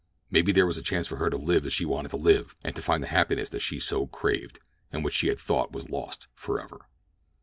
Maybe there was a chance for her to live as she wanted to live, and to find the happiness that she had so craved, and which she had thought was lost forever.